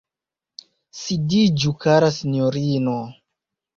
Sidiĝu, kara sinjorino.